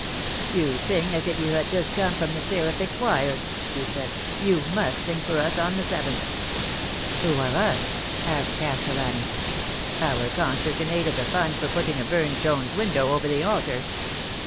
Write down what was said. " You sing as if you had just come from the seraphic choir," he said. " You must sing for us on the seventh." " Who are ' us '?" asked Castellani. " Our concert in aid of the fund for putting a Bume Jones window over the altar."